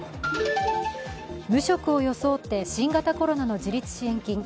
無職を装って新型コロナの自立支援金